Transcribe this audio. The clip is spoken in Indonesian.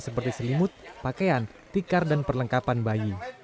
seperti selimut pakaian tikar dan perlengkapan bayi